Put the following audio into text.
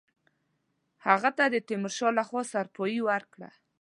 هغه ته د تیمورشاه له خوا سروپايي ورکړه.